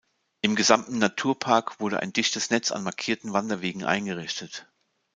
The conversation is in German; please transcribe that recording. Im gesamten Naturpark wurde ein dichtes Netz an markierten Wanderwegen eingerichtet.